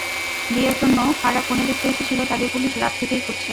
বিয়ের জন্য কারা কনে দেখতে এসেছিল তাদের পুলিশ রাত থেকেই খুঁজছে।